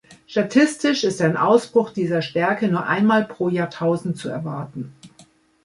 Statistisch ist ein Ausbruch dieser Stärke nur einmal pro Jahrtausend zu erwarten.